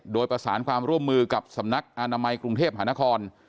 โดยประสานความร่วมมือกับสำนักอนามัยกรุงเทพหานคร